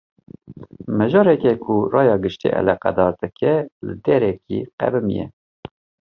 Mijareke ku raya giştî eleqedar dike, li derekê qewimiye